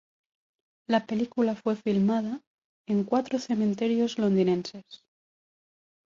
La película fue filmada en cuatro cementerios londinenses.